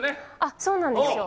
そうなんですよ。